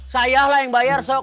saya lah yang bayar